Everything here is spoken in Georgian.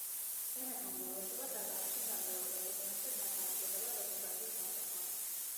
ენათა უმრავლესობას არ გააჩნია დამწერლობა, შესაბამისად მათ არ სჭირდებათ ორთოგრაფიის განსაზღვრა.